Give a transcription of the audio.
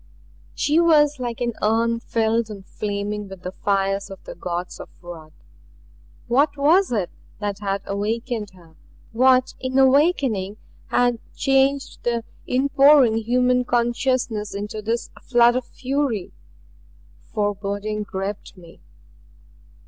She was like an urn filled and flaming with the fires of the Gods of wrath. What was it that had awakened her what in awakening had changed the inpouring human consciousness into this flood of fury? Foreboding gripped me.